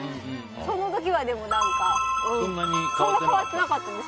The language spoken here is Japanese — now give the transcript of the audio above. その時はそんな変わってなかったです。